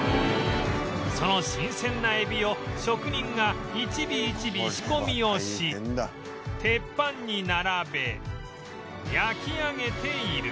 その新鮮なえびを職人が一尾一尾仕込みをし鉄板に並べ焼き上げている